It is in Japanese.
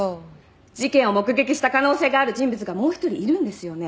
事件を目撃した可能性がある人物がもう一人いるんですよね？